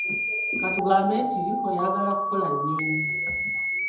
Ka tugambe nti oyagala kukola nnyonyi.